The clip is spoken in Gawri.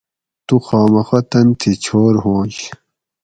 تو خامخہ تن تھی چھور ھوانش